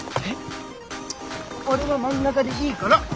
俺は真ん中でいいから。